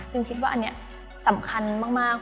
คิดว่าอันนี้สำคัญมาก